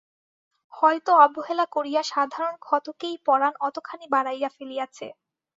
হয়তো অবহেলা করিয়া সাধারণ ক্ষতকেই পরান অতখানি বাড়াইয়া ফেলিয়াছে।